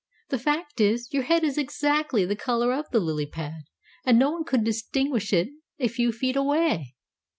The fact is, your head is exactly the color of the lily pad, and no one could distinguish it a few feet away.